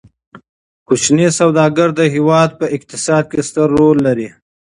کوچني سوداګر د هیواد په اقتصاد کې ستر رول لري.